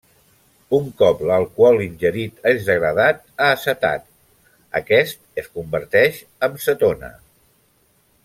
Un cop l'alcohol ingerit és degradat a acetat, aquest es converteix amb cetona.